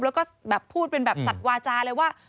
แล้วก็แบบพูดเป็นแบบสัตว์วาจาเลยว่า